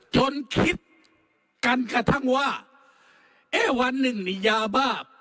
คิดกันกระทั่งว่าเอ๊ะวันหนึ่งนี่ยาบ้า